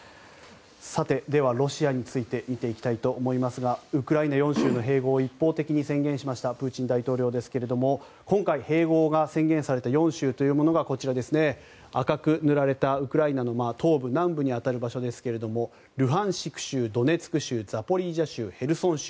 さて、ではロシアについて見ていきたいと思いますがウクライナ４州の併合を一方的に宣言したプーチン大統領ですけれども今回、併合が宣言された４州が赤く塗られたウクライナの東部、南部に当たる場所ですがルハンシク州、ドネツク州ザポリージャ州へルソン州。